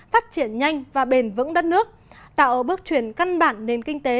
phát triển nhanh và bền vững đất nước tạo bước chuyển căn bản nền kinh tế